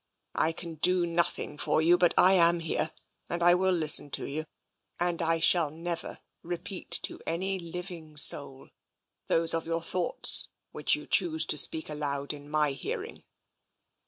I can do nothing for you, but I am here, and I will listen to you. And I shall never repeat to any living soul those of your thoughts which you choose to speak aloud in my hearing."